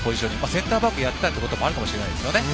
センターバックをやっていたということもあるかもしれないですね。